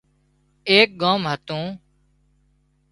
ايڪ ڳام هتون